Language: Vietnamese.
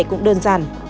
cũng đơn giản